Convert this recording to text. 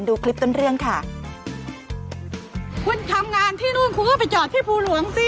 ดูคลิปต้นเรื่องค่ะคุณทำงานที่นู่นคุณก็ไปจอดที่ภูหลวงสิ